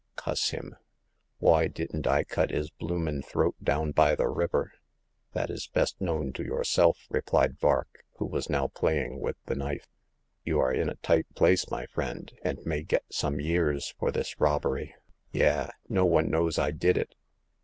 Cuss 'im ; whoy didn't I cut 'is bloomin* throat down by the river ?"That is best known to yourself," replied Vark, who was now playing with the knife. You are in a tight place, my friend, and may get some years for this robbery." '' Yah ! No one knows I did it